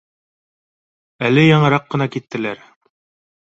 Әле яңыраҡ ҡына киттеләр